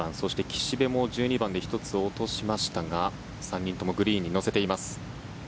、岸部も１２番で１つ落としましたが、３人ともグリーンに乗せています。